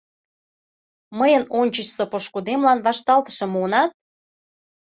Мыйын ончычсо пошкудемлан вашталтышым муынат?